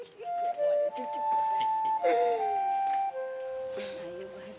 silahkan bu haja berbaring